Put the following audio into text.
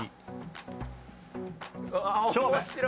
勝負！